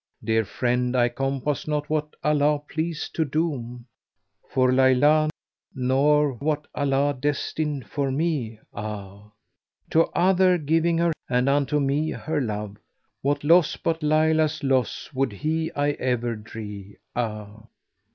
Dear friend, I compass not what Allah pleased to doom * For Laylá, nor what Allah destined for me, ah! To other giving her and unto me her love, * What loss but Layla's loss would He I ever dree, ah!"